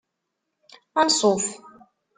Anṣuf!